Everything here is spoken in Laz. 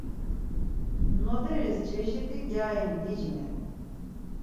Noderis çeşit̆i gyari nicinen